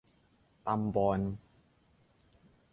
ตำบอน